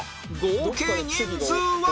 合計人数は？